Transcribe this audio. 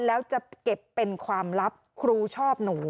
แล้วจะเก็บเป็นความลับครูชอบหนู